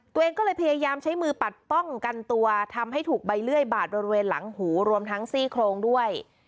ตัวเองก็เลยพยายามใช้มือปัดป้องกันตัวทำให้ถูกใบเลื่อยบาดบริเวณหลังหูรวมทั้งซี่โครงด้วย